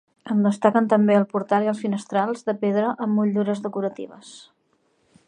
En destaquen també el portal i els finestrals, de pedra, amb motllures decoratives.